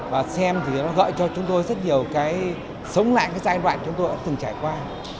và xem thì nó gợi cho chúng tôi rất nhiều cái sống lại cái giai đoạn chúng tôi đã từng trải qua